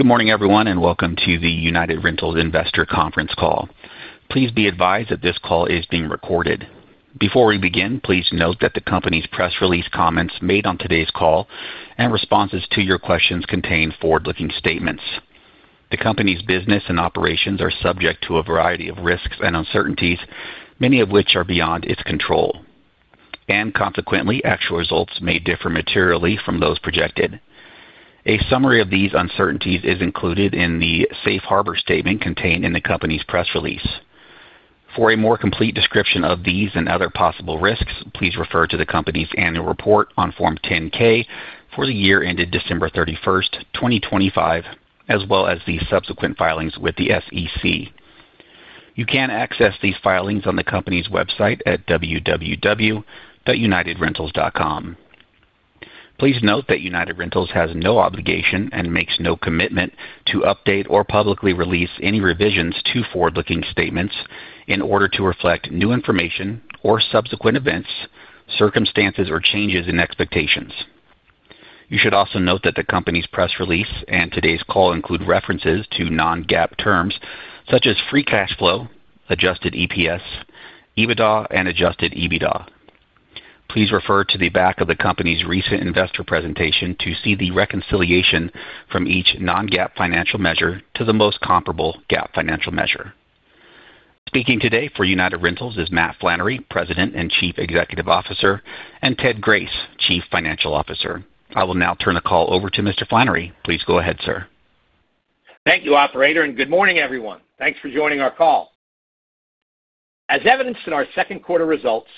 Good morning, everyone, and welcome to the United Rentals Investor Conference Call. Please be advised that this call is being recorded. Before we begin, please note that the company's press release comments made on today's call and responses to your questions contain forward-looking statements. The company's business and operations are subject to a variety of risks and uncertainties, many of which are beyond its control. Consequently, actual results may differ materially from those projected. A summary of these uncertainties is included in the safe harbor statement contained in the company's press release. For a more complete description of these and other possible risks, please refer to the company's annual report on Form 10-K for the year ended December 31, 2025, as well as the subsequent filings with the SEC. You can access these filings on the company's website at www.unitedrentals.com. Please note that United Rentals has no obligation and makes no commitment to update or publicly release any revisions to forward-looking statements in order to reflect new information or subsequent events, circumstances, or changes in expectations. You should also note that the company's press release and today's call include references to non-GAAP terms such as free cash flow, adjusted EPS, EBITDA, and adjusted EBITDA. Please refer to the back of the company's recent investor presentation to see the reconciliation from each non-GAAP financial measure to the most comparable GAAP financial measure. Speaking today for United Rentals is Matt Flannery, President and Chief Executive Officer, and Ted Grace, Chief Financial Officer. I will now turn the call over to Mr. Flannery. Please go ahead, sir. Thank you, operator, good morning, everyone. Thanks for joining our call. As evidenced in our second quarter results,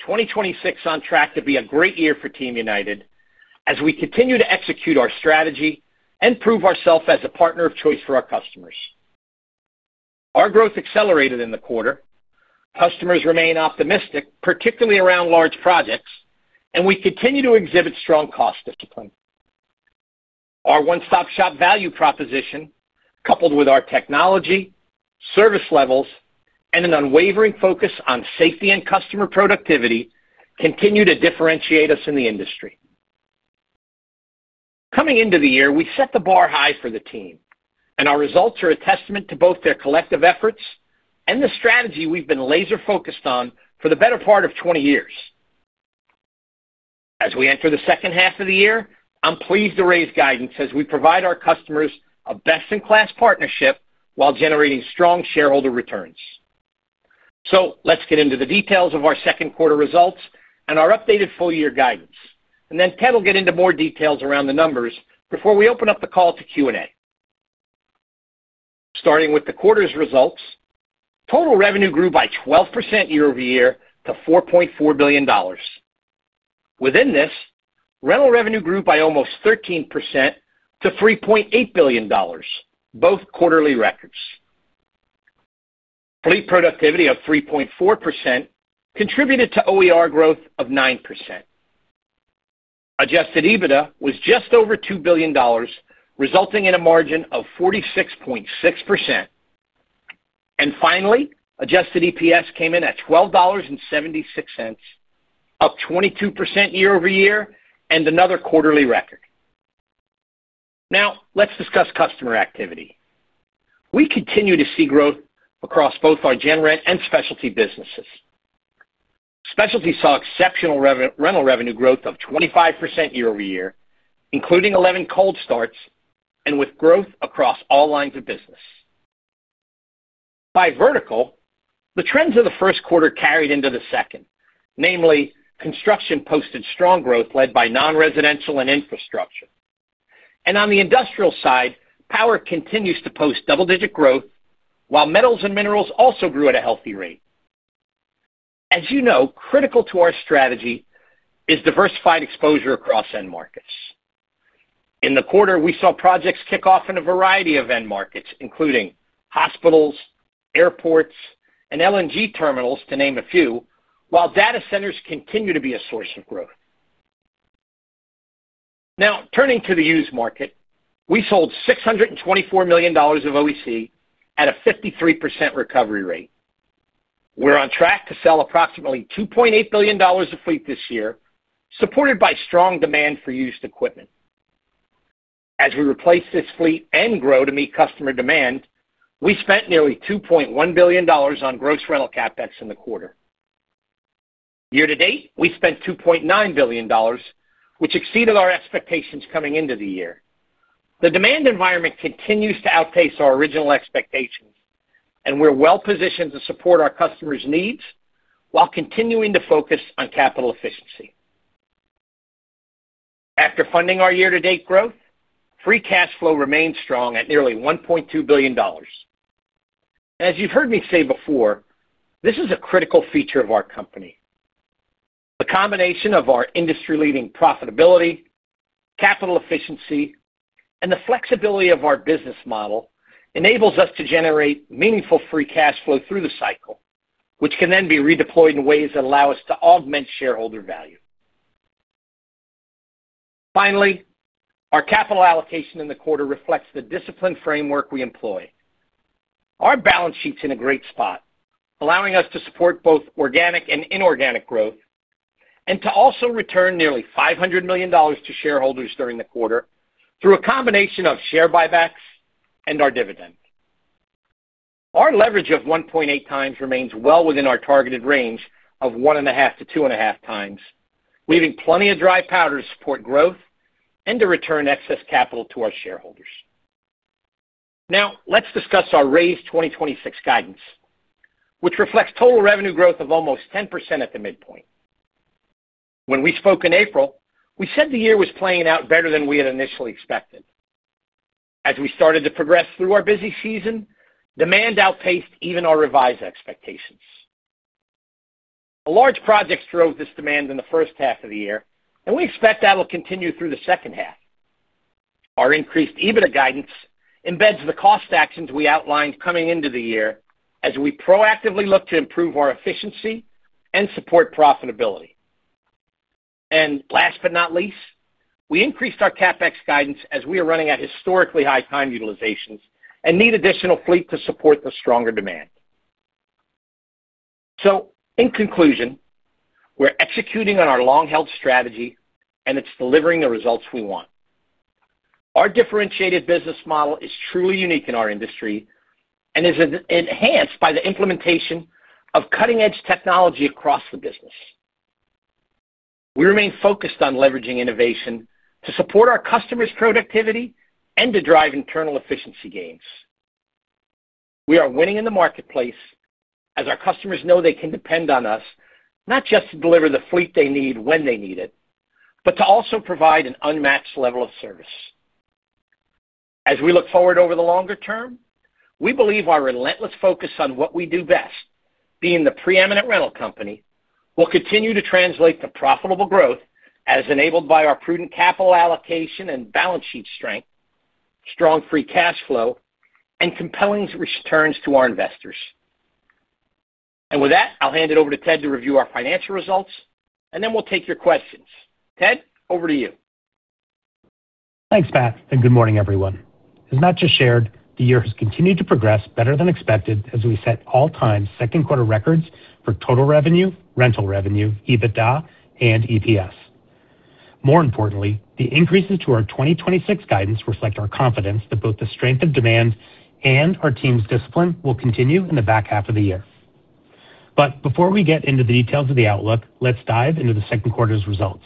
2026 on track to be a great year for Team United as we continue to execute our strategy and prove ourself as a partner of choice for our customers. Our growth accelerated in the quarter. Customers remain optimistic, particularly around large projects, and we continue to exhibit strong cost discipline. Our one-stop-shop value proposition, coupled with our technology, service levels, and an unwavering focus on safety and customer productivity, continue to differentiate us in the industry. Coming into the year, we set the bar high for the team, and our results are a testament to both their collective efforts and the strategy we've been laser-focused on for the better part of 20 years. Let's get into the details of our second quarter results and our updated full-year guidance, and then Ted will get into more details around the numbers before we open up the call to Q&A. Starting with the quarter's results, total revenue grew by 12% year-over-year to $4.4 billion. Within this, rental revenue grew by almost 13% to $3.8 billion, both quarterly records. Fleet productivity of 3.4% contributed to OER growth of 9%. Adjusted EBITDA was just over $2 billion, resulting in a margin of 46.6%. Finally, adjusted EPS came in at $12.76, up 22% year-over-year and another quarterly record. Now let's discuss customer activity. We continue to see growth across both our General Rentals and specialty businesses. Specialty saw exceptional rental revenue growth of 25% year-over-year, including 11 cold starts and with growth across all lines of business. By vertical, the trends of the first quarter carried into the second, namely, construction posted strong growth led by non-residential and infrastructure. On the industrial side, power continues to post double-digit growth, while metals and minerals also grew at a healthy rate. As you know, critical to our strategy is diversified exposure across end markets. In the quarter, we saw projects kick off in a variety of end markets, including hospitals, airports, and LNG terminals, to name a few, while data centers continue to be a source of growth. Turning to the used market, we sold $624 million of OEC at a 53% recovery rate. We're on track to sell approximately $2.8 billion of fleet this year, supported by strong demand for used equipment. As we replace this fleet and grow to meet customer demand, we spent nearly $2.1 billion on gross rental CapEx in the quarter. Year-to-date, we spent $2.9 billion, which exceeded our expectations coming into the year. The demand environment continues to outpace our original expectations, and we're well-positioned to support our customers' needs while continuing to focus on capital efficiency. After funding our year-to-date growth, free cash flow remains strong at nearly $1.2 billion. As you've heard me say before, this is a critical feature of our company. The combination of our industry-leading profitability, capital efficiency, and the flexibility of our business model enables us to generate meaningful free cash flow through the cycle, which can then be redeployed in ways that allow us to augment shareholder value. Finally, our capital allocation in the quarter reflects the disciplined framework we employ. Our balance sheet's in a great spot, allowing us to support both organic and inorganic growth, and to also return nearly $500 million to shareholders during the quarter through a combination of share buybacks and our dividend. Our leverage of 1.8 times remains well within our targeted range of one and a half to two and a half times, leaving plenty of dry powder to support growth and to return excess capital to our shareholders. Let's discuss our raised 2026 guidance, which reflects total revenue growth of almost 10% at the midpoint. When we spoke in April, we said the year was playing out better than we had initially expected. As we started to progress through our busy season, demand outpaced even our revised expectations. A large project drove this demand in the first half of the year, and we expect that will continue through the second half. Our increased EBITDA guidance embeds the cost actions we outlined coming into the year as we proactively look to improve our efficiency and support profitability. Last but not least, we increased our CapEx guidance as we are running at historically high time utilizations and need additional fleet to support the stronger demand. In conclusion, we're executing on our long-held strategy and it's delivering the results we want. Our differentiated business model is truly unique in our industry and is enhanced by the implementation of cutting-edge technology across the business. We remain focused on leveraging innovation to support our customers' productivity and to drive internal efficiency gains. We are winning in the marketplace as our customers know they can depend on us, not just to deliver the fleet they need when they need it, but to also provide an unmatched level of service. As we look forward over the longer term, we believe our relentless focus on what we do best, being the preeminent rental company, will continue to translate to profitable growth as enabled by our prudent capital allocation and balance sheet strength, strong free cash flow, and compelling returns to our investors. With that, I'll hand it over to Ted to review our financial results, then we'll take your questions. Ted, over to you. Thanks, Matt, good morning, everyone. As Matt just shared, the year has continued to progress better than expected as we set all-time second quarter records for total revenue, rental revenue, EBITDA and EPS. More importantly, the increases to our 2026 guidance reflect our confidence that both the strength of demand and our team's discipline will continue in the back half of the year. Before we get into the details of the outlook, let's dive into the second quarter's results.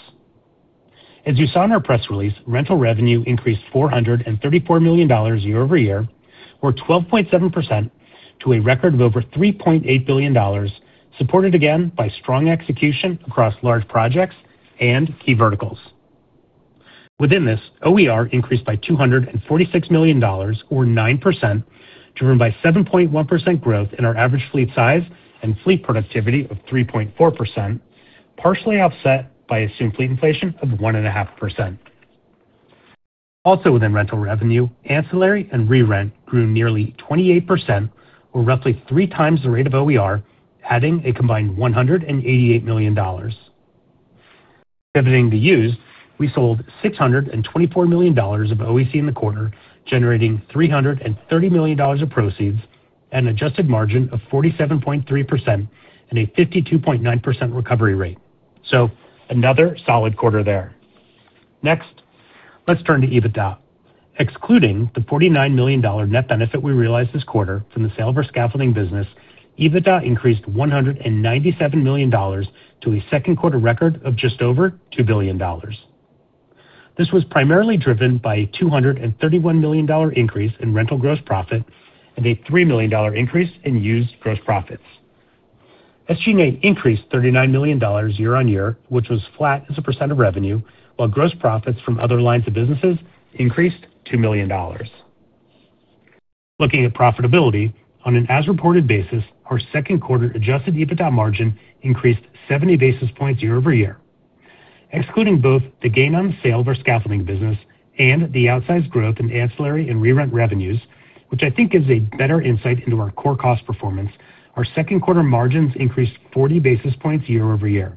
As you saw in our press release, rental revenue increased $434 million year-over-year, or 12.7% to a record of over $3.8 billion, supported again by strong execution across large projects and key verticals. Within this, OER increased by $246 million or 9%, driven by 7.1% growth in our average fleet size and fleet productivity of 3.4%, partially offset by assumed fleet inflation of 1.5%. Also within rental revenue, ancillary and re-rent grew nearly 28%, or roughly three times the rate of OER, adding a combined $188 million. Shifting to used, we sold $624 million of OEC in the quarter, generating $330 million of proceeds and adjusted margin of 47.3% and a 52.9% recovery rate. Another solid quarter there. Next, let's turn to EBITDA. Excluding the $49 million net benefit we realized this quarter from the sale of our scaffolding business, EBITDA increased $197 million to a second quarter record of just over $2 billion. This was primarily driven by a $231 million increase in rental gross profit and a $3 million increase in used gross profits. SG&A increased $39 million year-on-year, which was flat as a % of revenue, while gross profits from other lines of businesses increased $2 million. Looking at profitability on an as reported basis, our second quarter adjusted EBITDA margin increased 70 basis points year-over-year. Excluding both the gain on the sale of our scaffolding business and the outsized growth in ancillary and re-rent revenues, which I think gives a better insight into our core cost performance, our second quarter margins increased 40 basis points year-over-year.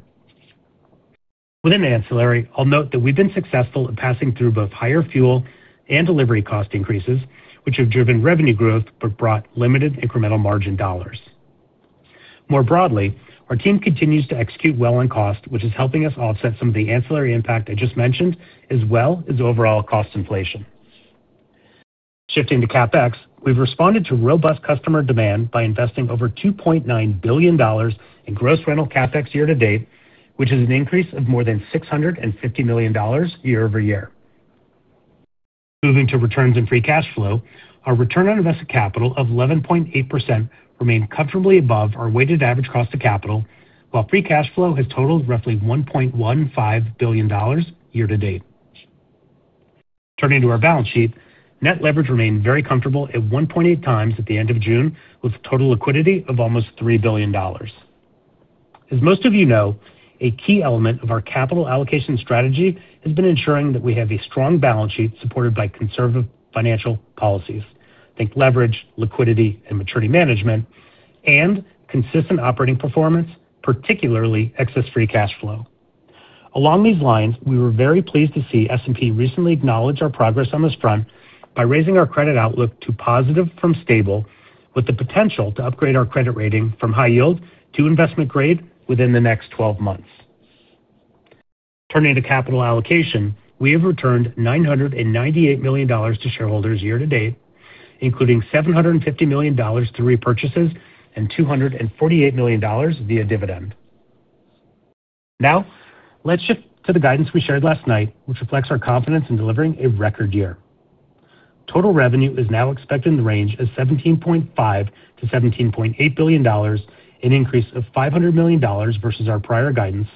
Within ancillary, I'll note that we've been successful at passing through both higher fuel and delivery cost increases, which have driven revenue growth but brought limited incremental margin dollars. More broadly, our team continues to execute well on cost, which is helping us offset some of the ancillary impact I just mentioned, as well as overall cost inflation. Shifting to CapEx, we've responded to robust customer demand by investing over $2.9 billion in gross rental CapEx year to date, which is an increase of more than $650 million year-over-year. Moving to returns and free cash flow, our return on invested capital of 11.8% remained comfortably above our weighted average cost of capital while free cash flow has totaled roughly $1.15 billion year to date. Turning to our balance sheet, net leverage remained very comfortable at 1.8 times at the end of June with total liquidity of almost $3 billion. As most of you know, a key element of our capital allocation strategy has been ensuring that we have a strong balance sheet supported by conservative financial policies, think leverage, liquidity, and maturity management and consistent operating performance, particularly excess free cash flow. Along these lines, we were very pleased to see S&P recently acknowledge our progress on this front by raising our credit outlook to positive from stable, with the potential to upgrade our credit rating from high yield to investment grade within the next 12 months. Turning to capital allocation, we have returned $998 million to shareholders year to date, including $750 million through repurchases and $248 million via dividend. Let's shift to the guidance we shared last night, which reflects our confidence in delivering a record year. Total revenue is now expected in the range of $17.5 billion-$17.8 billion, an increase of $500 million versus our prior guidance.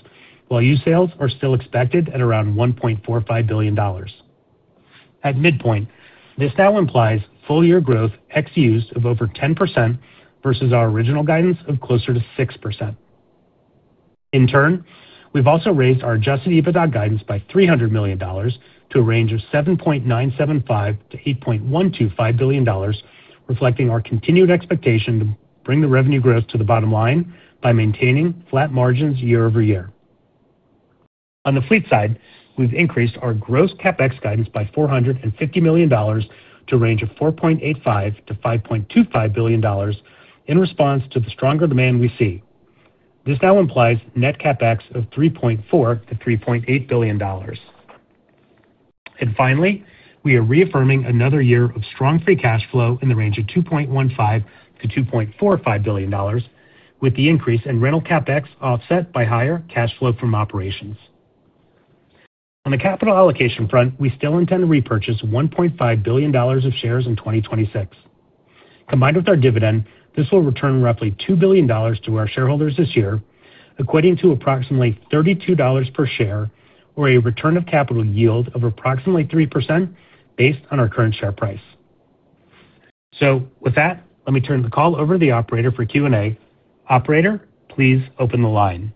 While used sales are still expected at around $1.45 billion. At midpoint, this now implies full year growth ex-used of over 10% versus our original guidance of closer to 6%. In turn, we've also raised our adjusted EBITDA guidance by $300 million to a range of $7.975 billion-$8.125 billion, reflecting our continued expectation to bring the revenue growth to the bottom line by maintaining flat margins year-over-year. On the fleet side, we've increased our gross CapEx guidance by $450 million to a range of $4.85 billion-$5.25 billion in response to the stronger demand we see. This now implies net CapEx of $3.4 billion-$3.8 billion. Finally, we are reaffirming another year of strong free cash flow in the range of $2.15 billion-$2.45 billion, with the increase in rental CapEx offset by higher cash flow from operations. On the capital allocation front, we still intend to repurchase $1.5 billion of shares in 2026. Combined with our dividend, this will return roughly $2 billion to our shareholders this year, equating to approximately $32 per share, or a return of capital yield of approximately 3% based on our current share price. With that, let me turn the call over to the operator for Q&A. Operator, please open the line.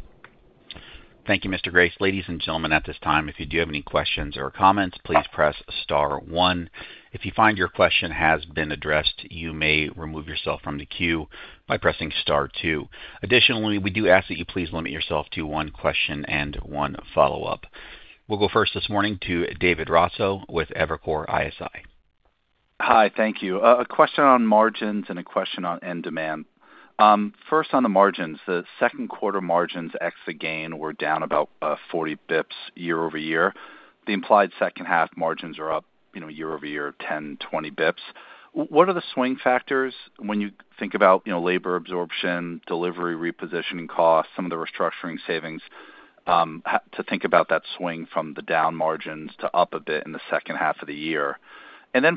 Thank you, Mr. Grace. Ladies and gentlemen, at this time, if you do have any questions or comments, please press star one. If you find your question has been addressed, you may remove yourself from the queue by pressing star two. Additionally, we do ask that you please limit yourself to one question and one follow-up. We'll go first this morning to David Raso with Evercore ISI. Hi. Thank you. A question on margins and a question on end demand. First, on the margins. The second quarter margins ex the gain were down about 40 basis points year-over-year. The implied second half margins are up year-over-year 10-20 basis points. What are the swing factors when you think about labor absorption, delivery, repositioning costs, some of the restructuring savings, to think about that swing from the down margins to up a bit in the second half of the year?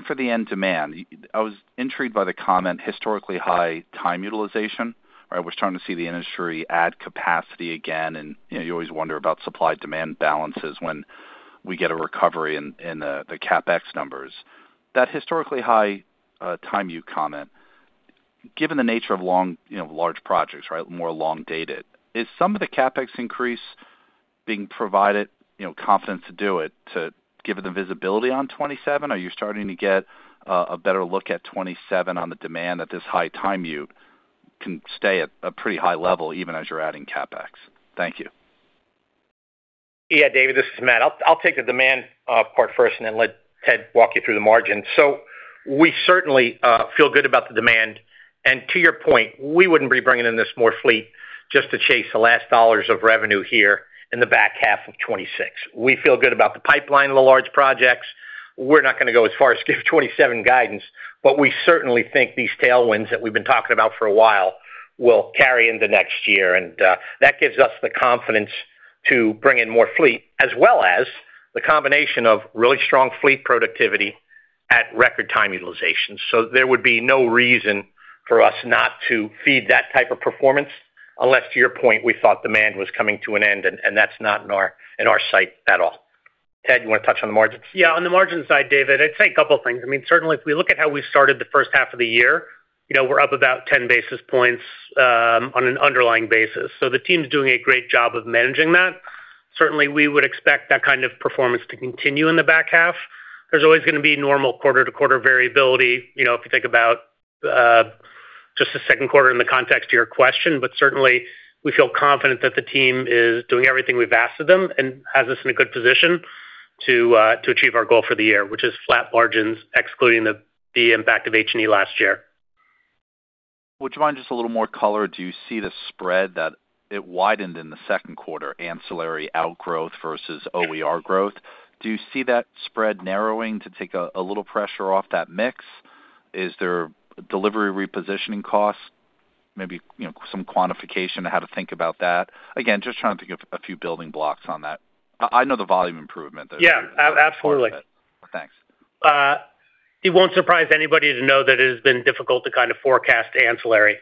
For the end demand, I was intrigued by the comment historically high time utilization. I was trying to see the industry add capacity again, and you always wonder about supply-demand balances when we get a recovery in the CapEx numbers. That historically high time you comment, given the nature of large projects, more long-dated, is some of the CapEx increase being provided confidence to do it, given the visibility on 2027? Are you starting to get a better look at 2027 on the demand at this high time you can stay at a pretty high level even as you're adding CapEx? Thank you. Yeah, David, this is Matt. I'll take the demand part first and then let Ted walk you through the margin. We certainly feel good about the demand. To your point, we wouldn't be bringing in this more fleet just to chase the last dollars of revenue here in the back half of 2026. We feel good about the pipeline of the large projects. We're not going to go as far as give 2027 guidance, but we certainly think these tailwinds that we've been talking about for a while will carry into next year, that gives us the confidence to bring in more fleet, as well as the combination of really strong fleet productivity at record time utilization. There would be no reason for us not to feed that type of performance unless, to your point, we thought demand was coming to an end, and that's not in our sight at all. Ted, you want to touch on the margins? Yeah, on the margin side, David, I'd say a couple of things. Certainly, if we look at how we started the first half of the year, we're up about 10 basis points on an underlying basis. The team's doing a great job of managing that. Certainly, we would expect that kind of performance to continue in the back half. There's always going to be normal quarter-to-quarter variability if you think about just the second quarter in the context of your question. Certainly, we feel confident that the team is doing everything we've asked of them and has us in a good position to achieve our goal for the year, which is flat margins, excluding the impact of H&E last year. Would you mind just a little more color? Do you see the spread that it widened in the second quarter, ancillary outgrowth versus OER growth? Do you see that spread narrowing to take a little pressure off that mix? Is there delivery repositioning costs? Maybe some quantification of how to think about that. Again, just trying to think of a few building blocks on that. I know the volume improvement there. Yeah, absolutely. Thanks. It won't surprise anybody to know that it has been difficult to kind of forecast ancillary.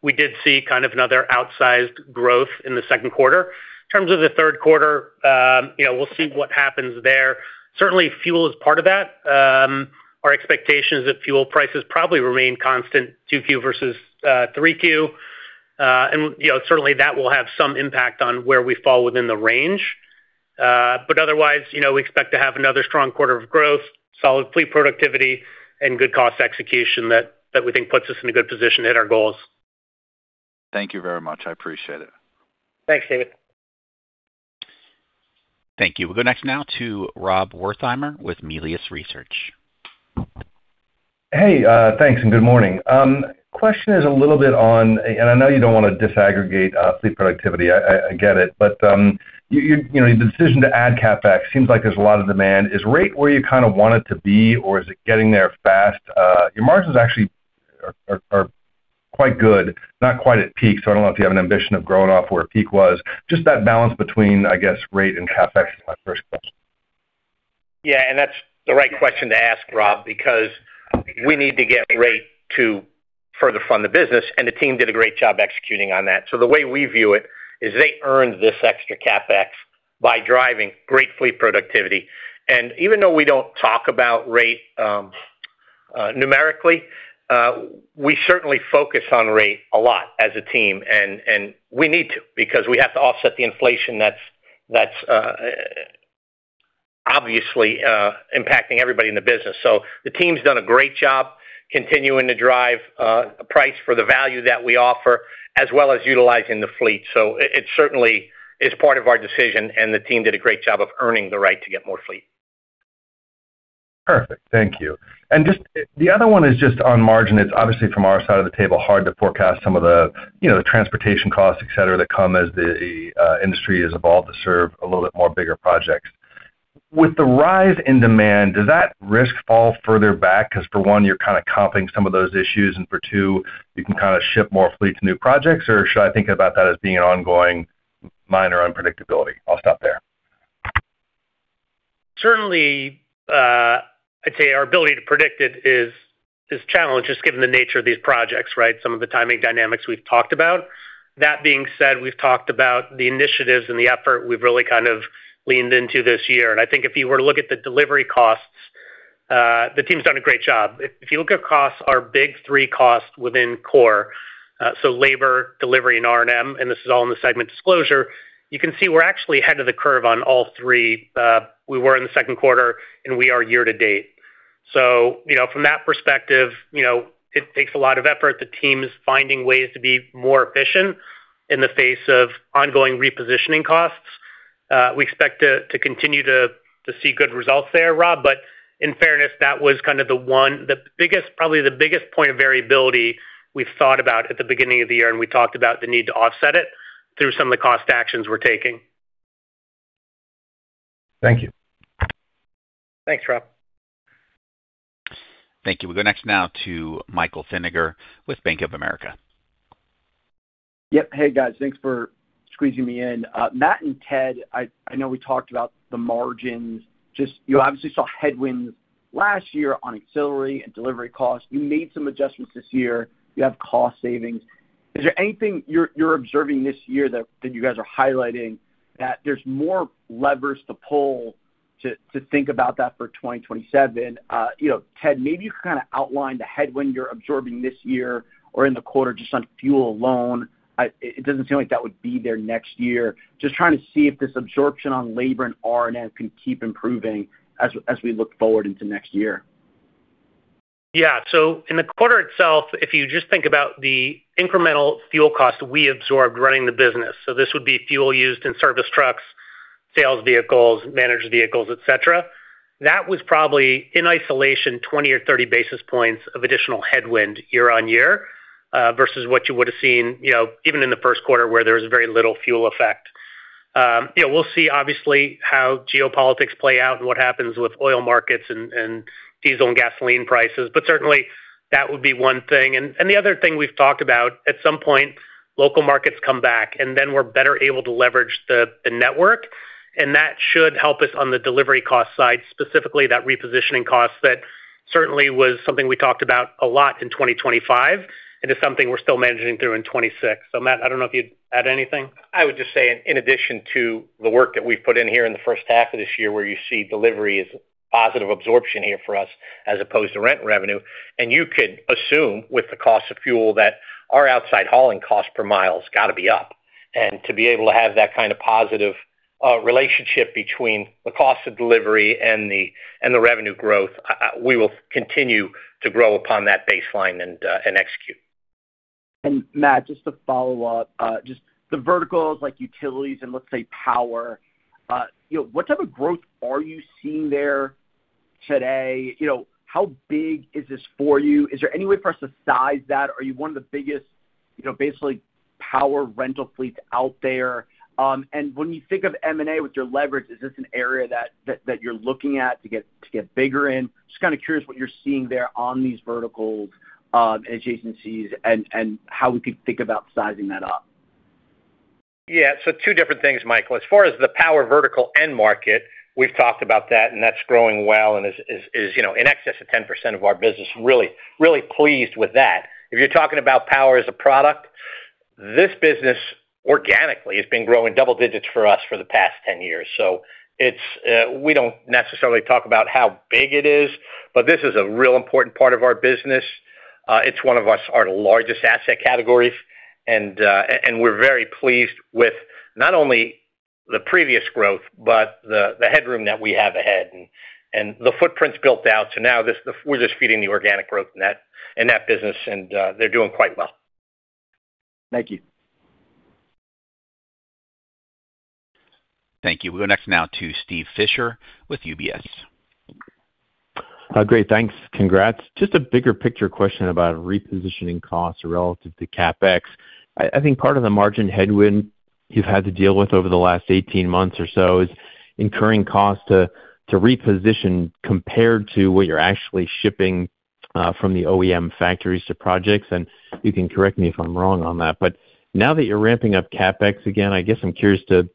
We did see kind of another outsized growth in the second quarter. In terms of the third quarter, we'll see what happens there. Certainly, fuel is part of that. Our expectation is that fuel prices probably remain constant, 2Q versus 3Q. Certainly, that will have some impact on where we fall within the range. Otherwise, we expect to have another strong quarter of growth, solid fleet productivity, and good cost execution that we think puts us in a good position to hit our goals. Thank you very much. I appreciate it. Thanks, David. Thank you. We'll go next now to Rob Wertheimer with Melius Research. Hey, thanks, and good morning. Question is a little bit on. I know you don't want to disaggregate fleet productivity, I get it, but the decision to add CapEx seems like there's a lot of demand. Is rate where you kind of want it to be, or is it getting there fast? Your margins actually are quite good, not quite at peak. I don't know if you have an ambition of growing off where peak was. Just that balance between, I guess, rate and CapEx is my first question. Yeah. That's the right question to ask, Rob, because we need to get rate to further fund the business, and the team did a great job executing on that. The way we view it is they earned this extra CapEx by driving great fleet productivity. Even though we don't talk about rate numerically, we certainly focus on rate a lot as a team, and we need to, because we have to offset the inflation that's obviously impacting everybody in the business. The team's done a great job continuing to drive price for the value that we offer, as well as utilizing the fleet. It certainly is part of our decision, and the team did a great job of earning the right to get more fleet. Perfect. Thank you. The other one is just on margin. It's obviously, from our side of the table, hard to forecast some of the transportation costs, et cetera, that come as the industry has evolved to serve a little bit more bigger projects. With the rise in demand, does that risk fall further back? Because for one, you're kind of comping some of those issues, and for two, you can kind of ship more fleet to new projects? Or should I think about that as being an ongoing minor unpredictability? I'll stop there. Certainly, I'd say our ability to predict it is challenged just given the nature of these projects, right? Some of the timing dynamics we've talked about. That being said, we've talked about the initiatives and the effort we've really kind of leaned into this year. I think if you were to look at the delivery costs, the team's done a great job. If you look at costs, our big three costs within core, so labor, delivery, and R&M, and this is all in the segment disclosure, you can see we're actually ahead of the curve on all three. We were in the second quarter, and we are year-to-date. From that perspective, it takes a lot of effort. The team is finding ways to be more efficient in the face of ongoing repositioning costs. We expect to continue to see good results there, Rob, but in fairness, that was kind of the one, probably the biggest point of variability we've thought about at the beginning of the year, and we talked about the need to offset it through some of the cost actions we're taking. Thank you. Thanks, Rob. Thank you. We go next now to Michael Feniger with Bank of America. Yep. Hey, guys. Thanks for squeezing me in. Matt and Ted, I know we talked about the margins. You obviously saw headwinds last year on auxiliary and delivery costs. You made some adjustments this year. You have cost savings. Is there anything you're observing this year that you guys are highlighting that there's more levers to pull to think about that for 2027? Ted, maybe you can kind of outline the headwind you're absorbing this year or in the quarter just on fuel alone. It doesn't seem like that would be there next year. Just trying to see if this absorption on labor and R&M can keep improving as we look forward into next year. Yeah. In the quarter itself, if you just think about the incremental fuel cost we absorbed running the business, this would be fuel used in service trucks, sales vehicles, managed vehicles, et cetera. That was probably, in isolation, 20 or 30 basis points of additional headwind year-on-year, versus what you would have seen, even in the first quarter, where there was very little fuel effect. We'll see, obviously, how geopolitics play out and what happens with oil markets and diesel and gasoline prices. Certainly, that would be one thing. The other thing we've talked about, at some point, local markets come back, we're better able to leverage the network, that should help us on the delivery cost side, specifically that repositioning cost that certainly was something we talked about a lot in 2025, and is something we're still managing through in 2026. Matt, I don't know if you'd add anything. I would just say in addition to the work that we've put in here in the first half of this year, where you see delivery is positive absorption here for us as opposed to rent revenue. You could assume with the cost of fuel that our outside hauling cost per mile has got to be up. To be able to have that kind of positive relationship between the cost of delivery and the revenue growth, we will continue to grow upon that baseline and execute. Matt, just to follow up, just the verticals like utilities and let's say power, what type of growth are you seeing there today? How big is this for you? Is there any way for us to size that? Are you one of the biggest, basically power rental fleets out there? When you think of M&A with your leverage, is this an area that you're looking at to get bigger in? Just kind of curious what you're seeing there on these verticals, adjacencies, and how we could think about sizing that up. Yeah. Two different things, Michael. As far as the power vertical end market, we've talked about that's growing well and is in excess of 10% of our business. Really pleased with that. If you're talking about power as a product, this business organically has been growing double digits for us for the past 10 years. We don't necessarily talk about how big it is, but this is a real important part of our business. It's one of our largest asset categories, and we're very pleased with not only the previous growth, but the headroom that we have ahead and the footprints built out. Now we're just feeding the organic growth in that business, and they're doing quite well. Thank you. Thank you. We go next now to Steven Fisher with UBS. Great. Thanks. Congrats. Just a bigger picture question about repositioning costs relative to CapEx. I think part of the margin headwind you've had to deal with over the last 18 months or so is incurring costs to reposition compared to what you're actually shipping from the OEM factories to projects. You can correct me if I'm wrong on that, but now that you're ramping up CapEx again, I guess I'm curious to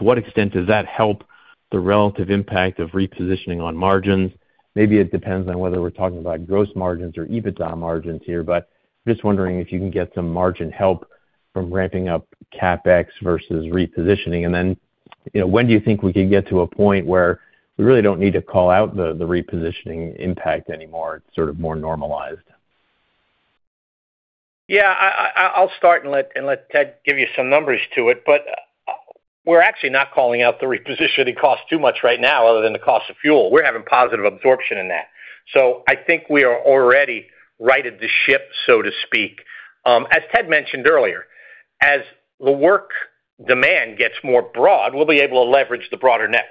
what extent does that help the relative impact of repositioning on margins? Maybe it depends on whether we're talking about gross margins or EBITDA margins here, but just wondering if you can get some margin help from ramping up CapEx versus repositioning. Then, when do you think we could get to a point where we really don't need to call out the repositioning impact anymore? It's sort of more normalized. Yeah. I'll start and let Ted give you some numbers to it, but we're actually not calling out the repositioning cost too much right now other than the cost of fuel. We're having positive absorption in that. I think we are already righted the ship, so to speak. As Ted mentioned earlier, as the work demand gets more broad, we'll be able to leverage the broader network.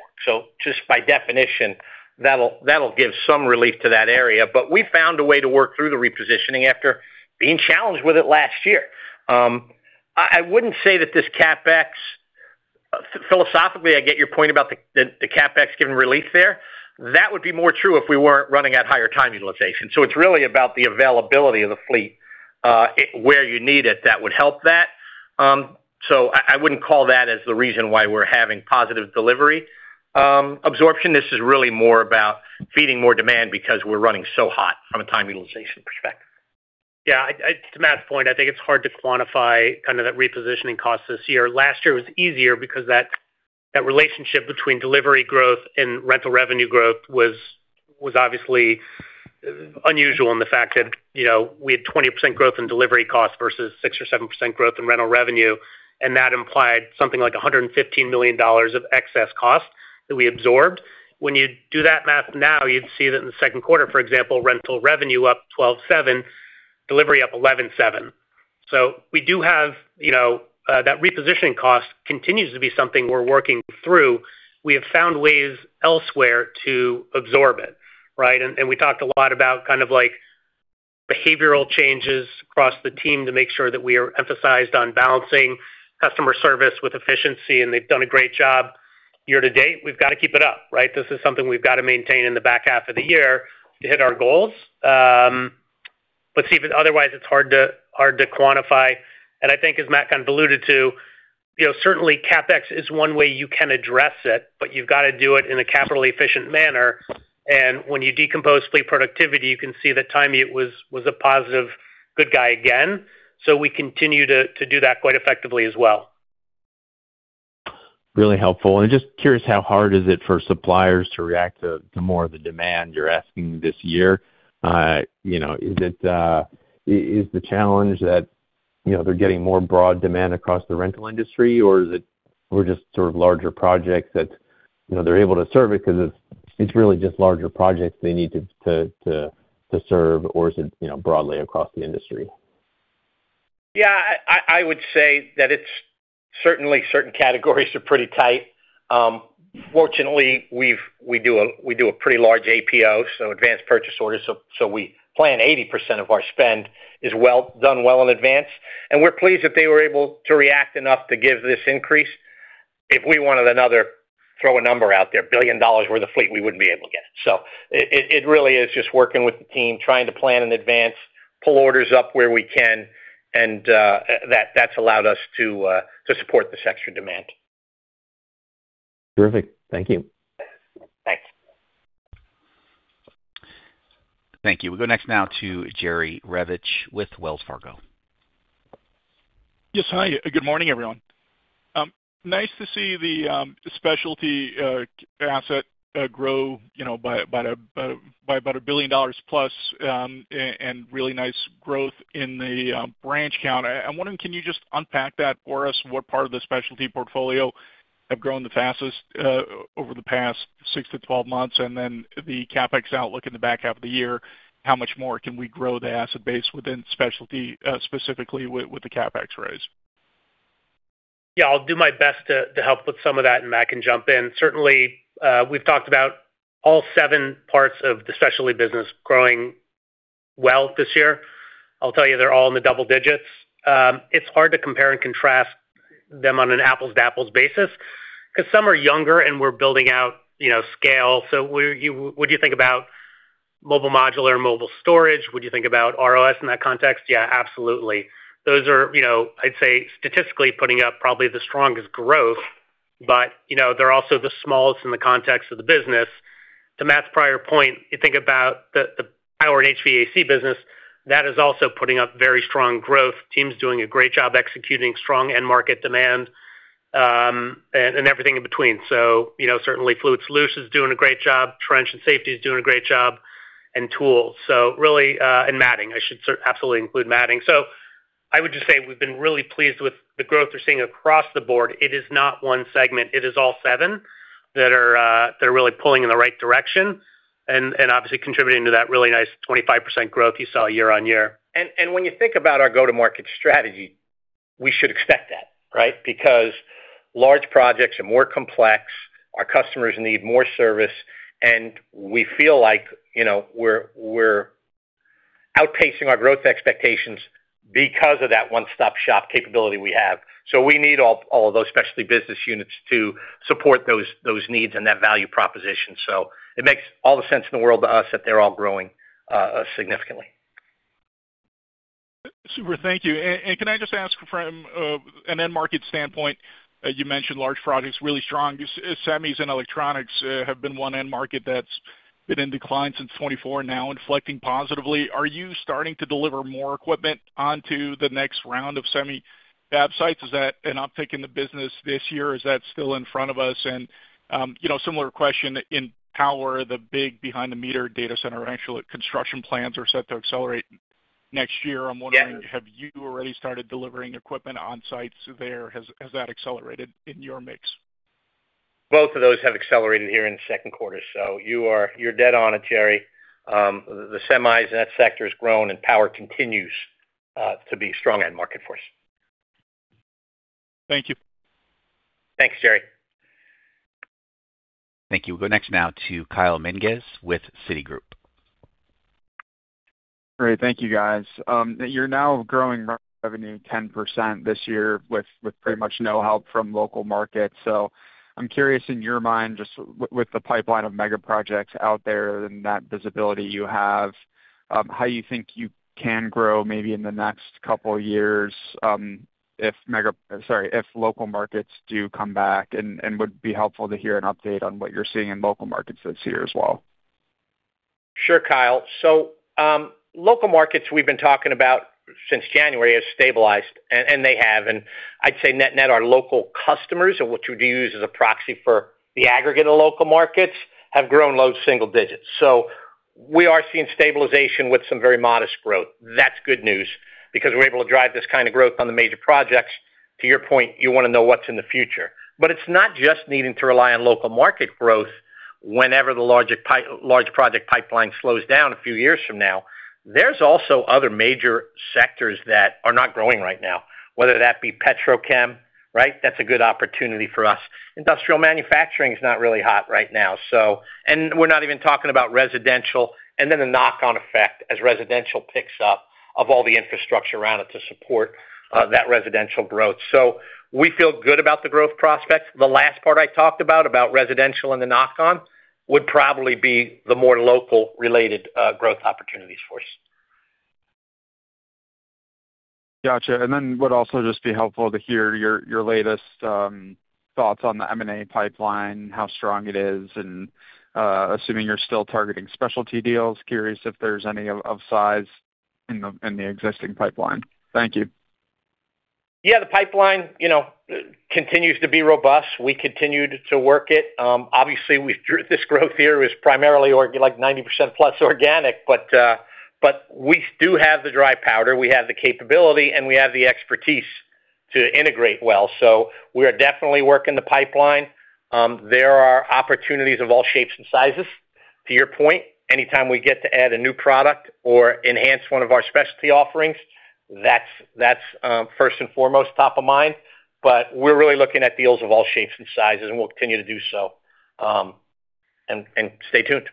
Just by definition, that'll give some relief to that area. We found a way to work through the repositioning after being challenged with it last year. I wouldn't say that this CapEx, philosophically, I get your point about the CapEx giving relief there. That would be more true if we weren't running at higher time utilization. It's really about the availability of the fleet, where you need it that would help that. I wouldn't call that as the reason why we're having positive delivery absorption. This is really more about feeding more demand because we're running so hot from a time utilization perspective. Yeah. To Matt's point, I think it's hard to quantify kind of that repositioning cost this year. Last year was easier because that relationship between delivery growth and rental revenue growth was obviously unusual in the fact that we had 20% growth in delivery costs versus six or seven% growth in rental revenue, and that implied something like $115 million of excess cost that we absorbed. When you do that math now, you'd see that in the second quarter, for example, rental revenue up 12.7%, delivery up 11.7%. We do have that repositioning cost continues to be something we're working through. We have found ways elsewhere to absorb it, right? We talked a lot about kind of like behavioral changes across the team to make sure that we are emphasized on balancing customer service with efficiency, and they've done a great job year to date. We've got to keep it up, right? This is something we've got to maintain in the back half of the year to hit our goals. Steve, otherwise, it's hard to quantify. I think as Matt kind of alluded to, certainly CapEx is one way you can address it, but you've got to do it in a capitally efficient manner. When you decompose fleet productivity, you can see that timing was a positive good guy again. We continue to do that quite effectively as well. Really helpful. Just curious, how hard is it for suppliers to react to more of the demand you're asking this year? Is the challenge that they're getting more broad demand across the rental industry? Or is it we're just sort of larger projects that they're able to serve it because it's really just larger projects they need to serve? Or is it broadly across the industry? Yeah. I would say that it's certainly certain categories are pretty tight. Fortunately, we do a pretty large APO, so advanced purchase order. We plan 80% of our spend is done well in advance. We're pleased that they were able to react enough to give this increase. If we wanted another, throw a number out there, $1 billion worth of fleet, we wouldn't be able to get it. It really is just working with the team, trying to plan in advance, pull orders up where we can, that's allowed us to support this extra demand. Terrific. Thank you. Thanks. Thank you. We'll go next now to Jerry Revich with Wells Fargo. Yes. Hi. Good morning, everyone. Nice to see the specialty asset grow by about $1 billion plus and really nice growth in the branch count. I'm wondering, can you just unpack that for us? What part of the specialty portfolio have grown the fastest over the past six to 12 months? And then the CapEx outlook in the back half of the year, how much more can we grow the asset base within specialty, specifically with the CapEx raise? I'll do my best to help with some of that, and Matt can jump in. Certainly, we've talked about all seven parts of the specialty business growing well this year. I'll tell you they're all in the double digits. It's hard to compare and contrast them on an apples-to-apples basis because some are younger and we're building out scale. Would you think about mobile modular, mobile storage? Would you think about ROS in that context? Yeah, absolutely. Those are, I'd say, statistically putting up probably the strongest growth, but they're also the smallest in the context of the business. To Matt's prior point, you think about the power and HVAC business. That is also putting up very strong growth. Team's doing a great job executing strong end market demand and everything in between. Certainly Fluid Solutions is doing a great job. Trench and safety is doing a great job and tools. Matting, I should absolutely include matting. I would just say we've been really pleased with the growth we're seeing across the board. It is not one segment. It is all seven that are really pulling in the right direction and obviously contributing to that really nice 25% growth you saw year-over-year. When you think about our go-to-market strategy, we should expect that, right? Because large projects are more complex, our customers need more service, and we feel like we're outpacing our growth expectations because of that one-stop shop capability we have. We need all of those specialty business units to support those needs and that value proposition. It makes all the sense in the world to us that they're all growing significantly. Super. Thank you. Can I just ask from an end market standpoint, you mentioned large projects really strong. Semis and electronics have been one end market that's been in decline since 2024 now inflecting positively. Are you starting to deliver more equipment onto the next round of semi fab sites? Is that an uptick in the business this year? Is that still in front of us? Similar question, in power, the big behind the meter data center actual construction plans are set to accelerate next year. Yes. I'm wondering, have you already started delivering equipment on sites there? Has that accelerated in your mix? Both of those have accelerated here in the second quarter. You're dead on it, Jerry. The semis and that sector has grown and power continues to be strong end market for us. Thank you. Thanks, Jerry. Thank you. We'll go next now to Kyle Menges with Citigroup. Great. Thank you guys. You're now growing revenue 10% this year with pretty much no help from local markets. I'm curious in your mind, just with the pipeline of mega projects out there and that visibility you have, how you think you can grow maybe in the next couple years if local markets do come back? Would be helpful to hear an update on what you're seeing in local markets this year as well. Sure, Kyle. Local markets we've been talking about since January has stabilized, and they have, and I'd say net net our local customers, and what you would use as a proxy for the aggregate of local markets, have grown low single digits. We are seeing stabilization with some very modest growth. That's good news because we're able to drive this kind of growth on the major projects. To your point, you want to know what's in the future. It's not just needing to rely on local market growth whenever the large project pipeline slows down a few years from now. There's also other major sectors that are not growing right now, whether that be Petrochem, right? That's a good opportunity for us. Industrial manufacturing is not really hot right now. We're not even talking about residential, and then the knock-on effect as residential picks up of all the infrastructure around it to support that residential growth. We feel good about the growth prospects. The last part I talked about residential and the knock-on would probably be the more local related growth opportunities for us. Got you. Would also just be helpful to hear your latest thoughts on the M&A pipeline, how strong it is, and assuming you're still targeting specialty deals, curious if there's any of size in the existing pipeline. Thank you. The pipeline continues to be robust. We continued to work it. Obviously, this growth here is primarily like 90% plus organic, but we do have the dry powder, we have the capability, and we have the expertise to integrate well. We are definitely working the pipeline. There are opportunities of all shapes and sizes. To your point, anytime we get to add a new product or enhance one of our specialty offerings, that's first and foremost top of mind. We're really looking at deals of all shapes and sizes, and we'll continue to do so. Stay tuned.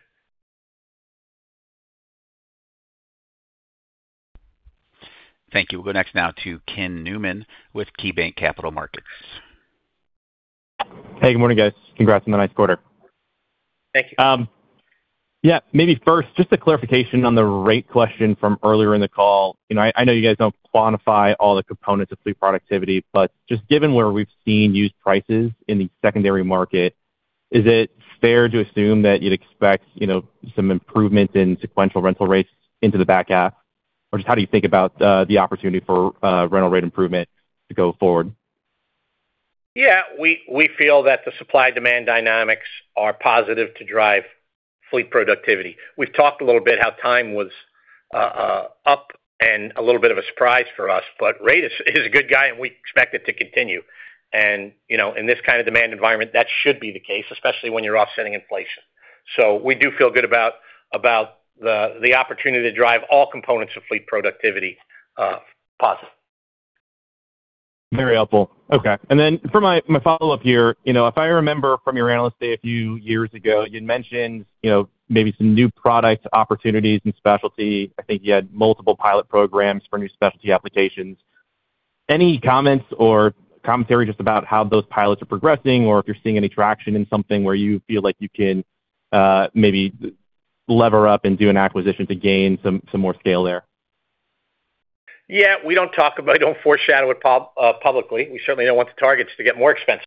Thank you. We'll go next now to Ken Newman with KeyBanc Capital Markets. Hey, good morning, guys. Congrats on the nice quarter. Thank you. Yeah, maybe first, just a clarification on the rate question from earlier in the call. I know you guys don't quantify all the components of fleet productivity, but just given where we've seen used prices in the secondary market, is it fair to assume that you'd expect some improvement in sequential rental rates into the back half? Just how do you think about the opportunity for rental rate improvement to go forward? We feel that the supply-demand dynamics are positive to drive fleet productivity. We've talked a little bit how time was up and a little bit of a surprise for us. Rate is a good guy, and we expect it to continue. In this kind of demand environment, that should be the case, especially when you're offsetting inflation. We do feel good about the opportunity to drive all components of fleet productivity positive. Very helpful. Okay. For my follow-up here, if I remember from your Analyst Day a few years ago, you'd mentioned maybe some new product opportunities in specialty. I think you had multiple pilot programs for new specialty applications. Any comments or commentary just about how those pilots are progressing or if you're seeing any traction in something where you feel like you can maybe lever up and do an acquisition to gain some more scale there? We don't foreshadow it publicly. We certainly don't want the targets to get more expensive.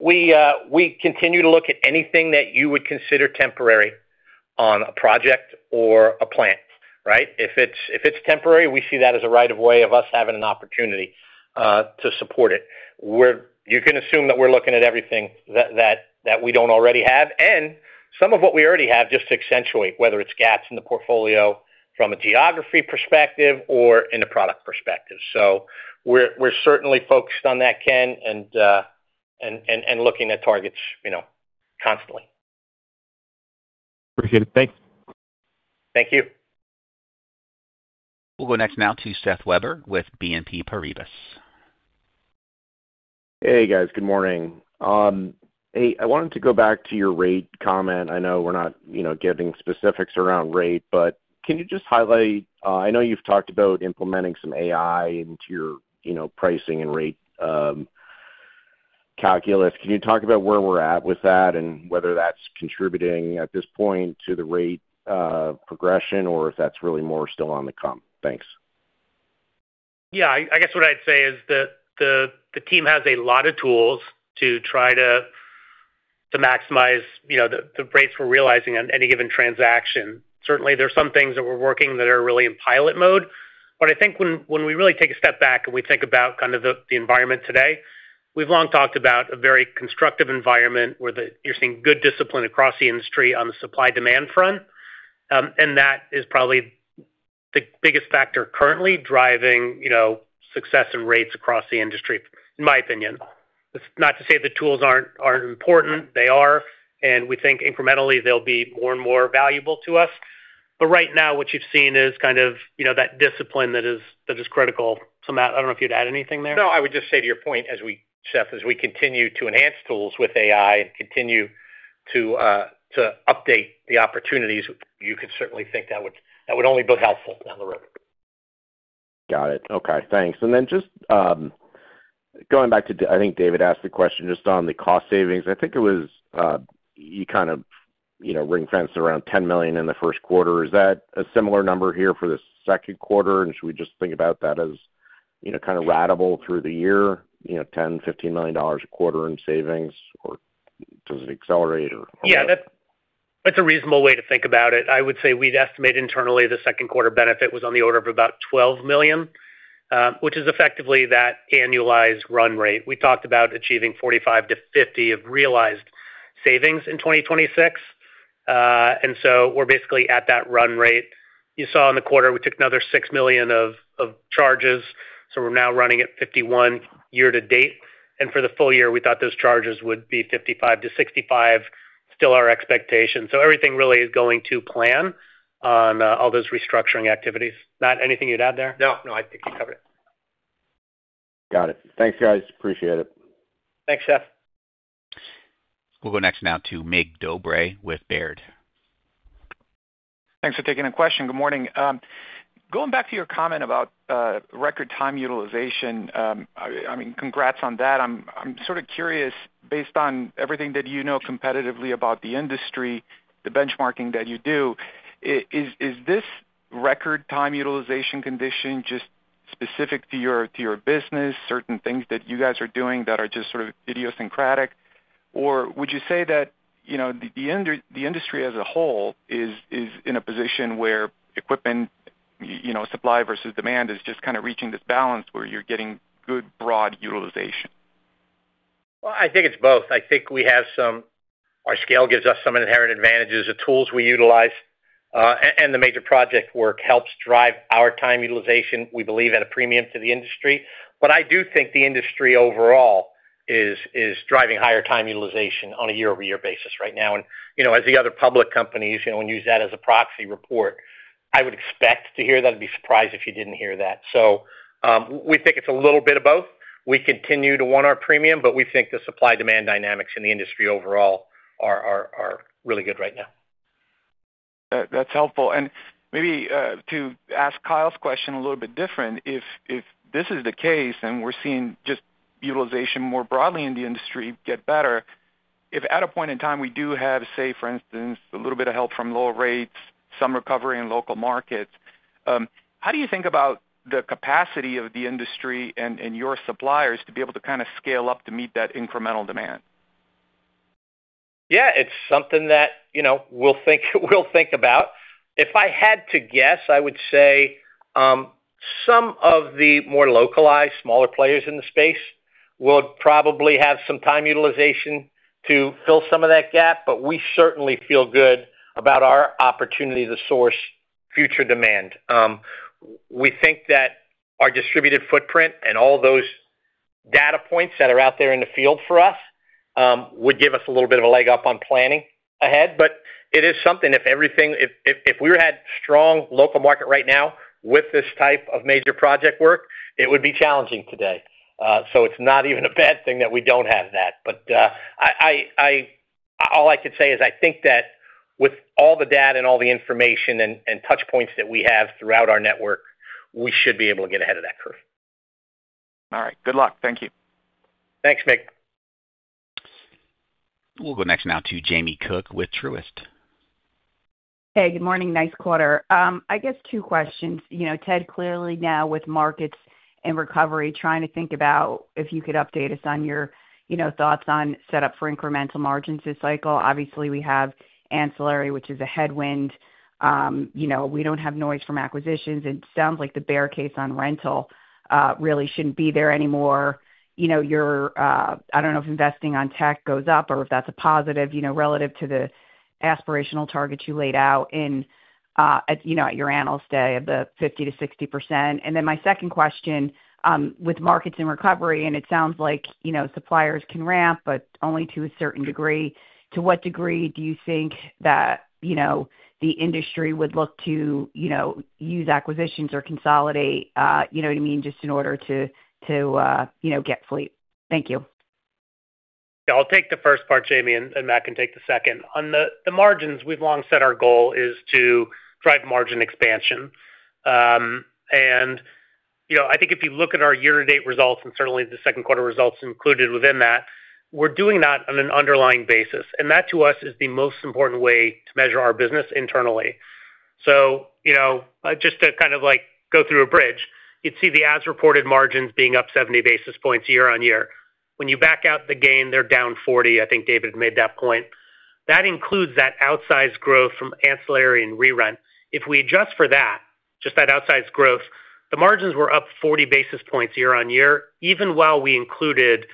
We continue to look at anything that you would consider temporary on a project or a plant, right? If it's temporary, we see that as a right of way of us having an opportunity to support it. You can assume that we're looking at everything that we don't already have and some of what we already have just to accentuate, whether it's gaps in the portfolio from a geography perspective or in a product perspective. We're certainly focused on that, Ken. Looking at targets constantly. Appreciate it. Thanks. Thank you. We'll go next now to Seth Weber with BNP Paribas. Hey, guys. Good morning. Hey, I wanted to go back to your rate comment. I know we're not giving specifics around rate, but can you just highlight, I know you've talked about implementing some AI into your pricing and rate calculus. Can you talk about where we're at with that and whether that's contributing at this point to the rate progression, or if that's really more still on the come? Thanks. Yeah. I guess what I'd say is that the team has a lot of tools to try to maximize the rates we're realizing on any given transaction. Certainly, there's some things that we're working that are really in pilot mode. I think when we really take a step back and we think about kind of the environment today, we've long talked about a very constructive environment where you're seeing good discipline across the industry on the supply-demand front. That is probably the biggest factor currently driving success and rates across the industry, in my opinion. That's not to say the tools aren't important. They are, and we think incrementally, they'll be more and more valuable to us. Right now, what you've seen is kind of that discipline that is critical. Matt, I don't know if you'd add anything there. No, I would just say to your point, Seth, as we continue to enhance tools with AI and continue to update the opportunities, you could certainly think that would only be helpful down the road. Got it. Okay, thanks. Then just going back to, I think David asked the question just on the cost savings. I think it was, he kind of ring-fenced around $10 million in the first quarter. Is that a similar number here for the second quarter? Should we just think about that as kind of ratable through the year, $10 million, $15 million a quarter in savings? Or does it accelerate or what? Yeah, that's a reasonable way to think about it. I would say we'd estimate internally the second quarter benefit was on the order of about $12 million, which is effectively that annualized run rate. We talked about achieving $45 million-$50 million of realized savings in 2026. We're basically at that run rate. You saw in the quarter, we took another $6 million of charges. We're now running at $51 million year to date. For the full year, we thought those charges would be $55 million-$65 million. Still our expectation. Everything really is going to plan on all those restructuring activities. Matt, anything you'd add there? No. I think you covered it. Got it. Thanks, guys. Appreciate it. Thanks, Seth. We'll go next now to Mircea Dobre with Baird. Thanks for taking the question. Good morning. Going back to your comment about record time utilization. Congrats on that. I'm sort of curious, based on everything that you know competitively about the industry, the benchmarking that you do, is this record time utilization condition just specific to your business, certain things that you guys are doing that are just sort of idiosyncratic? Or would you say that the industry as a whole is in a position where equipment supply versus demand is just kind of reaching this balance where you're getting good broad utilization? Well, I think it's both. I think our scale gives us some inherent advantages. The tools we utilize, and the major project work helps drive our time utilization, we believe, at a premium to the industry. I do think the industry overall is driving higher time utilization on a year-over-year basis right now. As the other public companies, when you use that as a proxy report, I would expect to hear that. I'd be surprised if you didn't hear that. We think it's a little bit of both. We continue to want our premium, we think the supply-demand dynamics in the industry overall are really good right now. That's helpful. Maybe to ask Kyle's question a little bit different, if this is the case and we're seeing just utilization more broadly in the industry get better. If at a point in time we do have, say, for instance, a little bit of help from lower rates, some recovery in local markets, how do you think about the capacity of the industry and your suppliers to be able to kind of scale up to meet that incremental demand? Yeah, it's something that we'll think about. If I had to guess, I would say some of the more localized, smaller players in the space will probably have some time utilization to fill some of that gap, but we certainly feel good about our opportunity to source future demand. We think that our distributed footprint and all those data points that are out there in the field for us would give us a little bit of a leg up on planning ahead. It is something, if we had strong local market right now with this type of major project work, it would be challenging today. It's not even a bad thing that we don't have that. All I could say is I think that with all the data and all the information and touch points that we have throughout our network, we should be able to get ahead of that curve. All right. Good luck. Thank you. Thanks, Mig. We'll go next now to Jamie Cook with Truist. Hey, good morning. Nice quarter. I guess two questions. Ted, clearly now with markets and recovery, trying to think about if you could update us on your thoughts on set up for incremental margins this cycle. Obviously, we have ancillary, which is a headwind. We don't have noise from acquisitions. It sounds like the bear case on rental really shouldn't be there anymore. I don't know if investing on tech goes up or if that's a positive, relative to the aspirational targets you laid out at your analyst day of the 50%-60%. My second question, with markets in recovery, it sounds like suppliers can ramp, but only to a certain degree. To what degree do you think that the industry would look to use acquisitions or consolidate, you know what I mean, just in order to get fleet? Thank you. Yeah, I'll take the first part, Jamie, and Matt can take the second. On the margins, we've long said our goal is to drive margin expansion. I think if you look at our year-to-date results, and certainly the second quarter results included within that, we're doing that on an underlying basis. That to us is the most important way to measure our business internally. Just to kind of go through a bridge, you'd see the as-reported margins being up 70 basis points year-over-year. When you back out the gain, they're down 40 basis points. I think David had made that point. That includes that outsized growth from ancillary and re-rent. If we adjust for that, just that outsized growth, the margins were up 40 basis points year-over-year, even while we included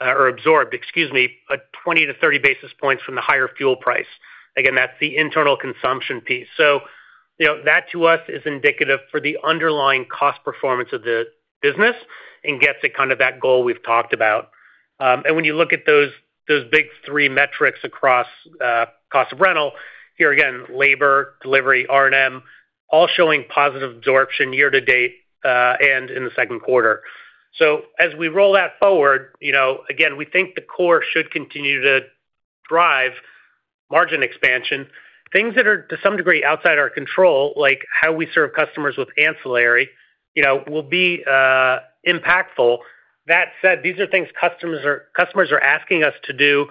or absorbed, excuse me, a 20-30 basis points from the higher fuel price. Again, that's the internal consumption piece. That to us is indicative for the underlying cost performance of the business and gets it kind of that goal we've talked about. When you look at those big three metrics across cost of rental, here again, labor, delivery, R&M, all showing positive absorption year-to-date and in the second quarter. As we roll that forward, again, we think the core should continue to drive margin expansion. Things that are to some degree outside our control, like how we serve customers with ancillary, will be impactful. That said, these are things customers are asking us to do.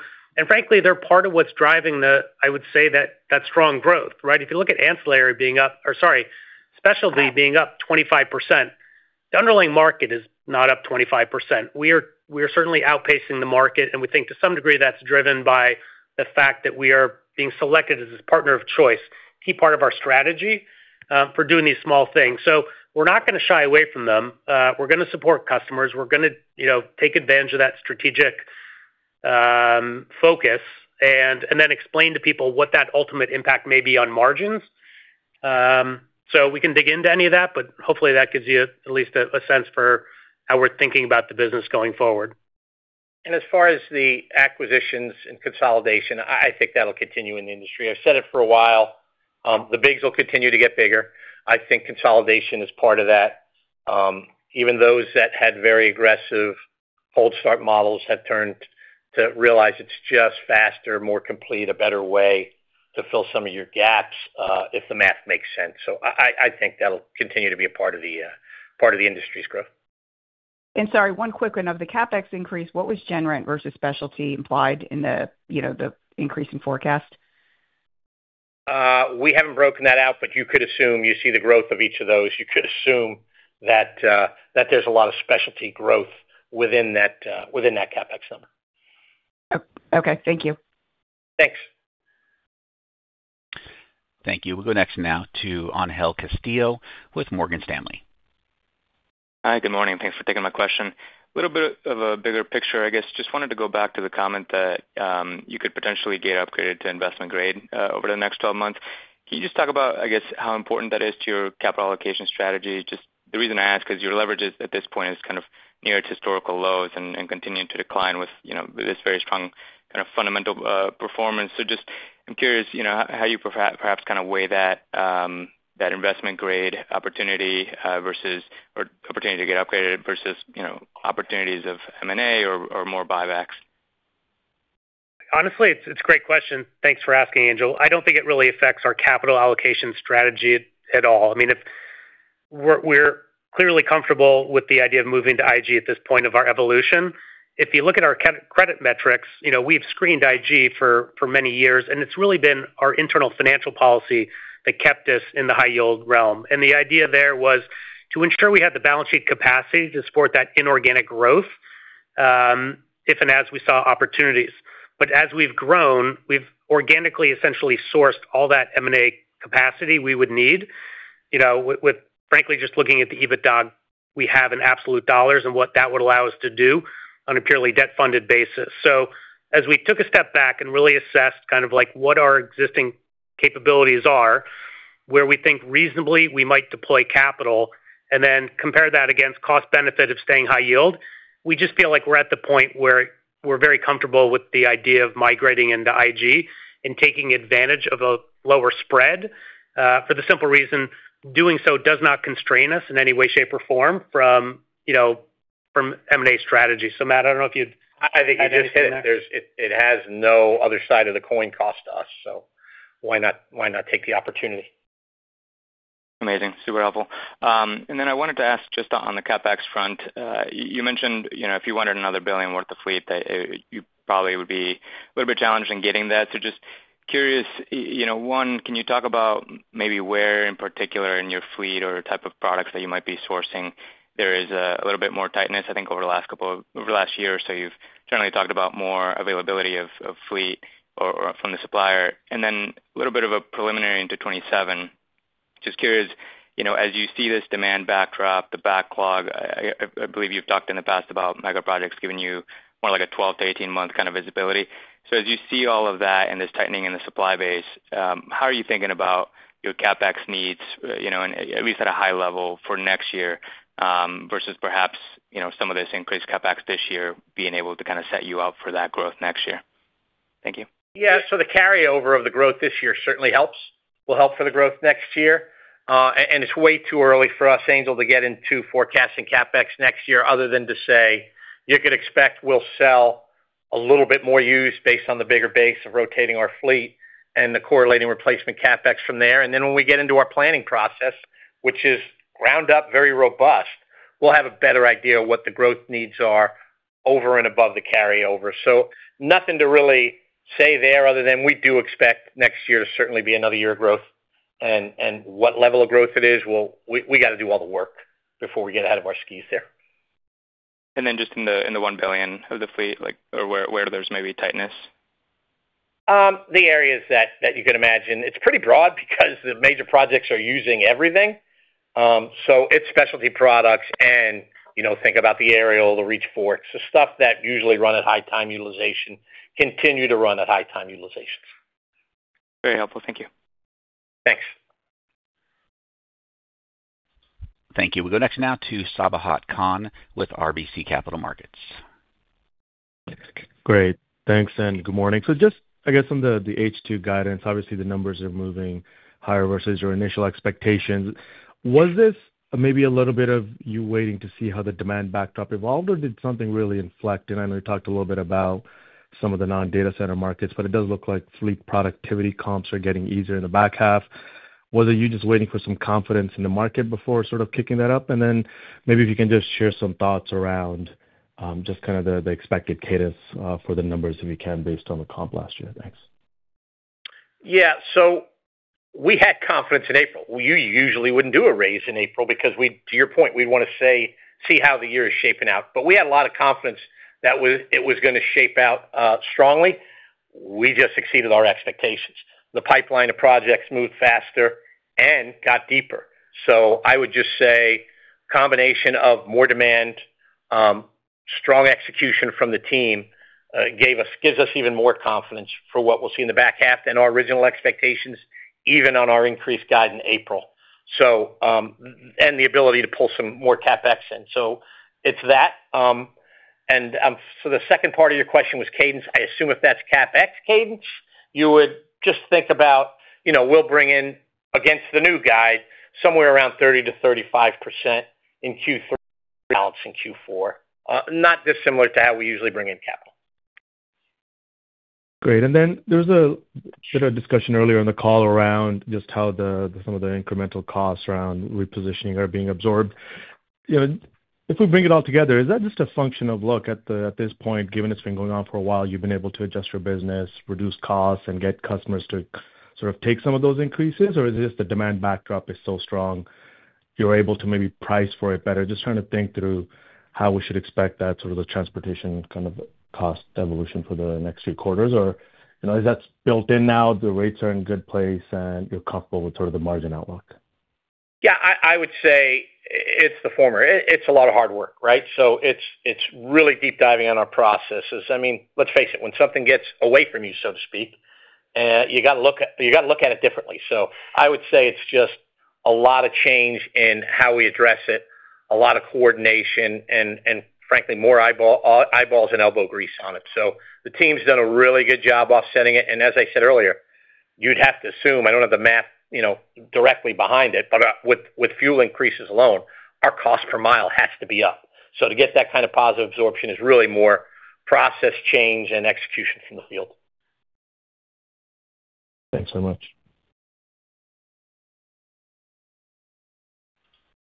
Frankly, they're part of what's driving the, I would say, that strong growth, right? If you look at Specialty being up 25%, the underlying market is not up 25%. We are certainly outpacing the market, and we think to some degree that's driven by the fact that we are being selected as a partner of choice, key part of our strategy for doing these small things. We're not going to shy away from them. We're going to support customers. We're going to take advantage of that strategic focus and then explain to people what that ultimate impact may be on margins. We can dig into any of that, but hopefully that gives you at least a sense for how we're thinking about the business going forward. As far as the acquisitions and consolidation, I think that'll continue in the industry. I've said it for a while. The bigs will continue to get bigger. I think consolidation is part of that. Even those that had very aggressive cold start models have turned to realize it's just faster, more complete, a better way to fill some of your gaps if the math makes sense. I think that'll continue to be a part of the industry's growth. Sorry, one quick one. Of the CapEx increase, what was General Rentals versus specialty implied in the increase in forecast? We haven't broken that out, but you could assume you see the growth of each of those. You could assume that there's a lot of specialty growth within that CapEx number. Okay. Thank you. Thanks. Thank you. We'll go next now to Angel Castillo with Morgan Stanley. Hi, good morning. Thanks for taking my question. Little bit of a bigger picture, I guess. Just wanted to go back to the comment that you could potentially get upgraded to investment grade over the next 12 months. Can you just talk about, I guess, how important that is to your capital allocation strategy? Just the reason I ask, because your leverage at this point is kind of near its historical lows and continuing to decline with this very strong kind of fundamental performance. Just, I'm curious, how you perhaps kind of weigh that investment grade opportunity to get upgraded versus opportunities of M&A or more buybacks. Honestly, it's a great question. Thanks for asking, Angel. I don't think it really affects our capital allocation strategy at all. We're clearly comfortable with the idea of moving to IG at this point of our evolution. If you look at our credit metrics, we've screened IG for many years, and it's really been our internal financial policy that kept us in the high yield realm. The idea there was to ensure we had the balance sheet capacity to support that inorganic growth if and as we saw opportunities. As we've grown, we've organically essentially sourced all that M&A capacity we would need. With frankly just looking at the EBITDA we have in absolute dollars and what that would allow us to do on a purely debt-funded basis. As we took a step back and really assessed kind of like what our existing capabilities are, where we think reasonably we might deploy capital, and then compare that against cost benefit of staying high yield, we just feel like we're at the point where we're very comfortable with the idea of migrating into IG and taking advantage of a lower spread for the simple reason doing so does not constrain us in any way, shape, or form from M&A strategy. Matt, I don't know if you'd add anything there. I think you just hit it. It has no other side of the coin cost to us. Why not take the opportunity? Amazing. Super helpful. Then I wanted to ask just on the CapEx front. You mentioned if you wanted another $1 billion worth of fleet, that you probably would be a little bit challenged in getting that. Just curious, one, can you talk about maybe where in particular in your fleet or type of products that you might be sourcing there is a little bit more tightness? I think over the last year or so, you've certainly talked about more availability of fleet or from the supplier. Then a little bit of a preliminary into 2027. Just curious, as you see this demand backdrop, the backlog, I believe you've talked in the past about megaprojects giving you more like a 12-18 month kind of visibility. As you see all of that and this tightening in the supply base, how are you thinking about your CapEx needs, at least at a high level for next year, versus perhaps, some of this increased CapEx this year being able to set you up for that growth next year? Thank you. Yeah. The carryover of the growth this year certainly helps, will help for the growth next year. It's way too early for us, Angel, to get into forecasting CapEx next year other than to say, you could expect we'll sell a little bit more used based on the bigger base of rotating our fleet and the correlating replacement CapEx from there. Then when we get into our planning process, which is ground up, very robust, we'll have a better idea of what the growth needs are over and above the carryover. Nothing to really say there other than we do expect next year to certainly be another year of growth. What level of growth it is, we got to do all the work before we get ahead of our skis there. Just in the $1 billion of the fleet, where there's maybe tightness? The areas that you can imagine. It's pretty broad because the major projects are using everything. It's specialty products and think about the aerial, the reach fork. It's the stuff that usually run at high time utilization, continue to run at high time utilizations. Very helpful. Thank you. Thanks. Thank you. We'll go next now to Sabahat Khan with RBC Capital Markets. Great. Thanks, and good morning. Just, I guess on the H2 guidance, obviously the numbers are moving higher versus your initial expectations. Was this maybe a little bit of you waiting to see how the demand backdrop evolved, or did something really inflect? I know you talked a little bit about some of the non-data center markets, but it does look like fleet productivity comps are getting easier in the back half. Was it you just waiting for some confidence in the market before sort of kicking that up? Maybe if you can just share some thoughts around just kind of the expected cadence for the numbers if you can based on the comp last year. Thanks. Yeah. We had confidence in April. Well, you usually wouldn't do a raise in April because we, to your point, we'd want to see how the year is shaping out. We had a lot of confidence that it was going to shape out strongly. We just exceeded our expectations. The pipeline of projects moved faster and got deeper. I would just say combination of more demand, strong execution from the team, gives us even more confidence for what we'll see in the back half than our original expectations, even on our increased guide in April. The ability to pull some more CapEx in. It's that. The second part of your question was cadence. I assume if that's CapEx cadence, you would just think about, we'll bring in against the new guide somewhere around 30%-35% in Q3, rebalance in Q4. Not dissimilar to how we usually bring in capital. Great. There was a sort of discussion earlier in the call around just how some of the incremental costs around repositioning are being absorbed. If we bring it all together, is that just a function of look at this point, given it's been going on for a while, you've been able to adjust your business, reduce costs, and get customers to sort of take some of those increases? Is it just the demand backdrop is so strong you're able to maybe price for it better? Just trying to think through how we should expect that sort of the transportation kind of cost evolution for the next few quarters, or is that built in now, the rates are in a good place, and you're comfortable with sort of the margin outlook? I would say it's the former. It's a lot of hard work, right? It's really deep diving on our processes. Let's face it, when something gets away from you, so to speak, you got to look at it differently. I would say it's just a lot of change in how we address it, a lot of coordination and frankly, more eyeballs and elbow grease on it. The team's done a really good job offsetting it. And as I said earlier, you'd have to assume, I don't have the math directly behind it, but with fuel increases alone, our cost per mile has to be up. To get that kind of positive absorption is really more process change and execution from the field. Thanks so much.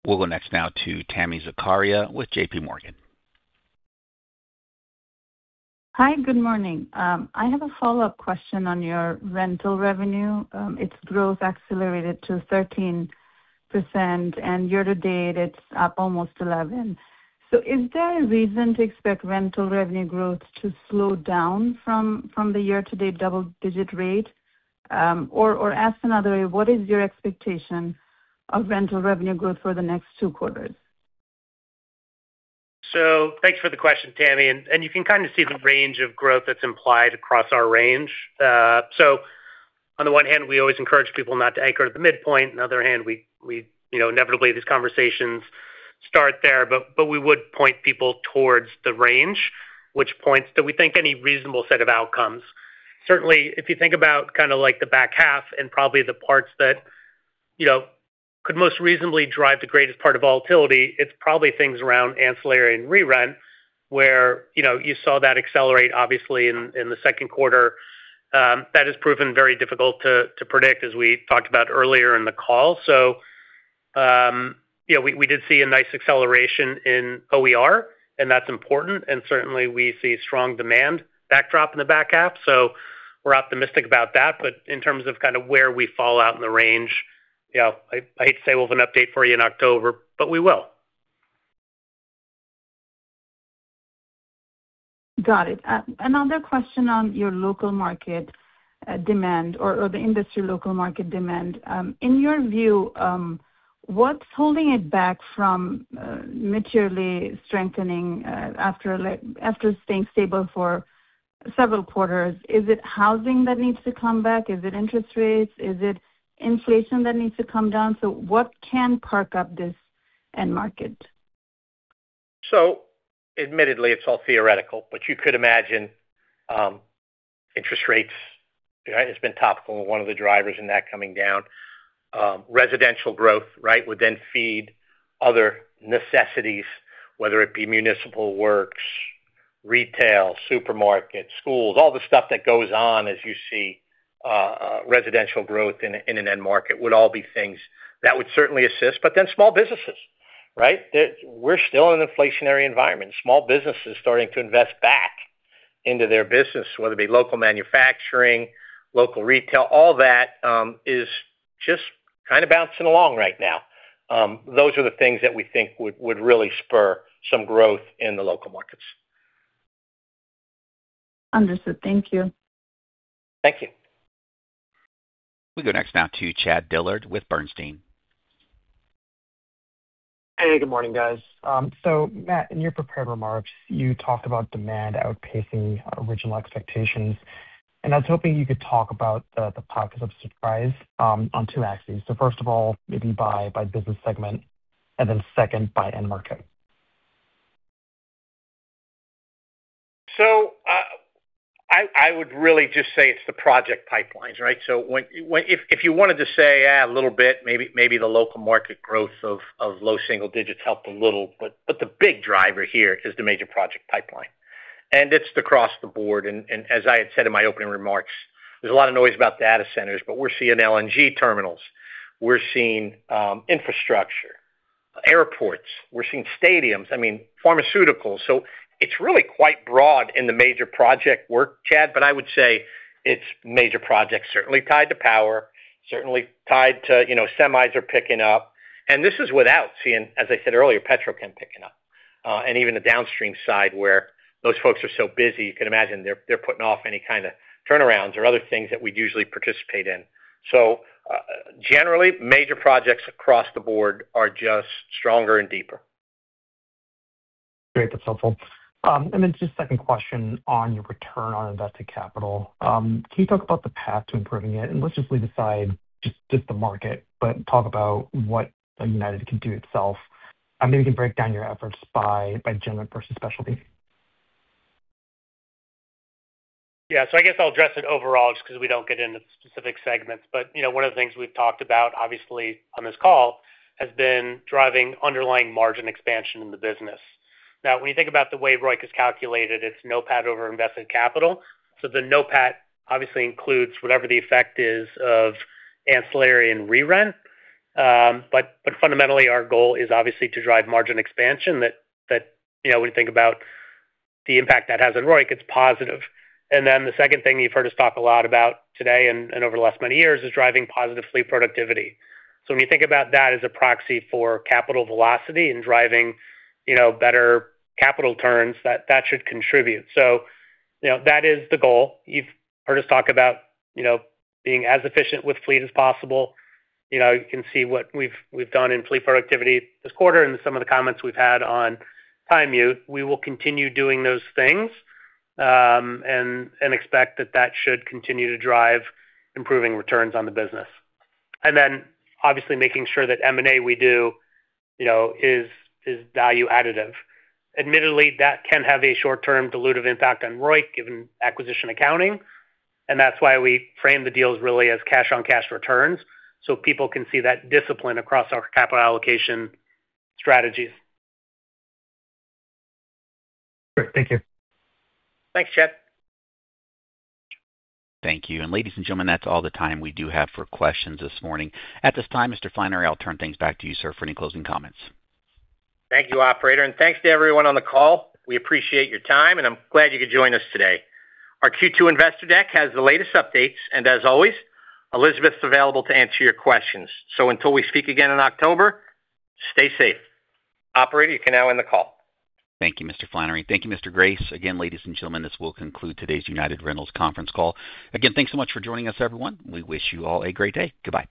We'll go next now to Tami Zakaria with JPMorgan. Hi, good morning. I have a follow-up question on your rental revenue. Its growth accelerated to 13%, and year-to-date it's up almost 11%. Is there a reason to expect rental revenue growth to slow down from the year-to-date double-digit rate? Or asked another way, what is your expectation of rental revenue growth for the next two quarters? Thanks for the question, Tami, and you can kind of see the range of growth that's implied across our range. On the one hand, we always encourage people not to anchor to the midpoint. On the other hand, inevitably these conversations start there, but we would point people towards the range, which points to we think any reasonable set of outcomes. Certainly, if you think about kind of like the back half and probably the parts that could most reasonably drive the greatest part of volatility, it's probably things around ancillary and rerun where you saw that accelerate obviously in the second quarter. That has proven very difficult to predict as we talked about earlier in the call. We did see a nice acceleration in OER, and that's important, and certainly we see strong demand backdrop in the back half, we're optimistic about that. In terms of kind of where we fall out in the range, I hate to say we'll have an update for you in October, but we will. Got it. Another question on your local market demand or the industry local market demand. In your view, what's holding it back from materially strengthening after staying stable for several quarters? Is it housing that needs to come back? Is it interest rates? Is it inflation that needs to come down? What can park up this end market? Admittedly, it's all theoretical, but you could imagine interest rates, right? It's been topical and one of the drivers in that coming down. Residential growth, right, would then feed other necessities, whether it be municipal works, retail, supermarkets, schools, all the stuff that goes on as you see residential growth in an end market would all be things that would certainly assist. Small businesses, right? We're still in an inflationary environment. Small businesses starting to invest back into their business, whether it be local manufacturing, local retail, all that is just kind of bouncing along right now. Those are the things that we think would really spur some growth in the local markets. Understood. Thank you. Thank you. We go next now to Chad Dillard with Bernstein. Hey, good morning, guys. Matt, in your prepared remarks, you talked about demand outpacing original expectations. I was hoping you could talk about the pockets of surprise on two axes. First of all, maybe by business segment and then second by end market. I would really just say it's the project pipelines, right? If you wanted to say, a little bit, maybe the local market growth of low single digits helped a little, but the big driver here is the major project pipeline, and it's across the board. As I had said in my opening remarks, there's a lot of noise about data centers, but we're seeing LNG terminals. We're seeing infrastructure, airports. We're seeing stadiums, pharmaceuticals. It's really quite broad in the major project work, Chad, but I would say it's major projects certainly tied to power, certainly tied to semis are picking up. This is without seeing, as I said earlier, petrochem picking up. Even the downstream side where those folks are so busy, you can imagine they're putting off any kind of turnarounds or other things that we'd usually participate in. Generally, major projects across the board are just stronger and deeper. Great. That's helpful. Then just second question on your Return on Invested Capital. Can you talk about the path to improving it? Let's just leave aside just the market, but talk about what United can do itself. Maybe you can break down your efforts by General Rentals versus specialty. Yeah. I guess I'll address it overall, just because we don't get into specific segments. One of the things we've talked about, obviously, on this call has been driving underlying margin expansion in the business. When you think about the way ROIC is calculated, it's NOPAT over invested capital. The NOPAT obviously includes whatever the effect is of ancillary and rerun. Fundamentally, our goal is obviously to drive margin expansion that when you think about the impact that has on ROIC, it's positive. Then the second thing you've heard us talk a lot about today and over the last many years is driving positive fleet productivity. When you think about that as a proxy for capital velocity and driving better capital turns, that should contribute. That is the goal. You've heard us talk about being as efficient with fleet as possible. You can see what we've done in fleet productivity this quarter and some of the comments we've had on time u. We will continue doing those things. Expect that that should continue to drive improving returns on the business. Obviously making sure that M&A we do is value additive. Admittedly, that can have a short-term dilutive impact on ROIC given acquisition accounting, and that's why we frame the deals really as cash-on-cash returns so people can see that discipline across our capital allocation strategies. Great. Thank you. Thanks, Chad. Thank you. Ladies and gentlemen, that's all the time we do have for questions this morning. At this time, Mr. Flannery, I'll turn things back to you, sir, for any closing comments. Thank you, operator. Thanks to everyone on the call. We appreciate your time. I'm glad you could join us today. Our Q2 investor deck has the latest updates. As always, Elizabeth's available to answer your questions. Until we speak again in October, stay safe. Operator, you can now end the call. Thank you, Mr. Flannery. Thank you, Mr. Grace. Again, ladies and gentlemen, this will conclude today's United Rentals conference call. Again, thanks so much for joining us, everyone. We wish you all a great day. Goodbye.